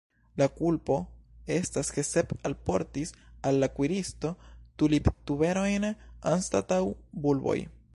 La kulpo estas ke Sep alportis al la kuiristo tuliptuberojn anstataŭ bulboj.